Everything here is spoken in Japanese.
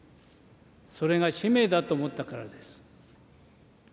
それが使命だと思ったからです。